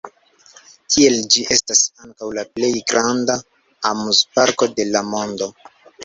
Tiel, ĝi estas ankaŭ la plej granda amuzparko de la mondo.